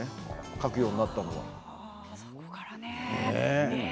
書くようになったのは。